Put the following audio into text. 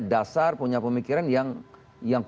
dasar punya pemikiran yang